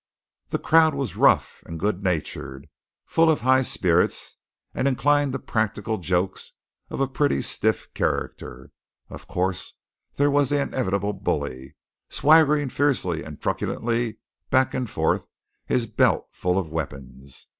The crowd was rough and good natured, full of high spirits, and inclined to practical jokes of a pretty stiff character. Of course there was the inevitable bully, swaggering fiercely and truculently back and forth, his belt full of weapons.